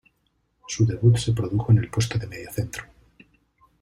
Su debut se produjo en el puesto de mediocentro.